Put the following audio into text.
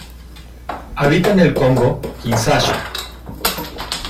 Habita en el Congo, Kinshasa.